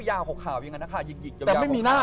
แล้วเราได้ล่าคื้น